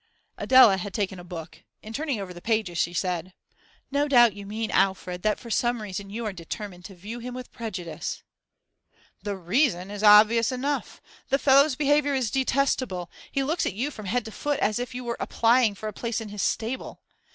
Adela had taken a book; in turning over the pages, she said 'No doubt you mean, Alfred, that, for some reason, you are determined to view him with prejudice.' 'The reason is obvious enough. The fellow's behaviour is detestable; he looks at you from head to foot as if you were applying for a place in his stable.